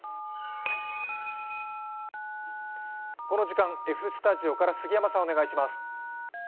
この時間、Ｆスタジオから杉山さんお願いします。